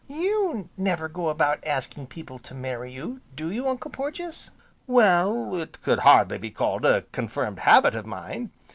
"You never go about asking people to marry you, do you Uncle Porges!" "Well, it could hardly be called a confirmed habit of mine."